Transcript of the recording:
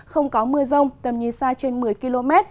không có mưa rông tầm nhìn xa trên một mươi km